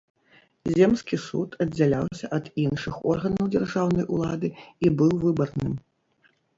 Земскі суд аддзяляўся ад іншых органаў дзяржаўнай улады і быў выбарным.